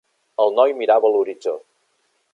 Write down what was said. El noi mirava a l'horitzó.